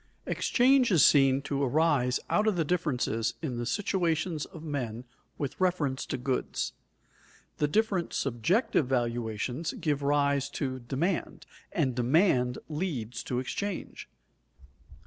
Exchange is seen to arise out of the differences in the situations of men with reference to goods. The different subjective valuations give rise to demand, and demand leads to exchange.